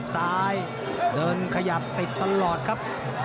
ซ้ายเดินขยับติดตลอดครับ